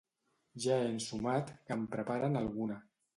Ja he ensumat que en preparen alguna.